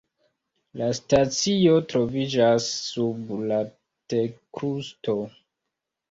La stacio troviĝas sub la terkrusto.